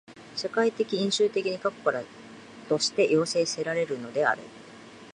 社会的因襲的に過去からとして要請せられるのである。